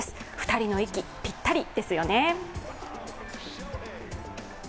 ２人の息、ぴったりですよね。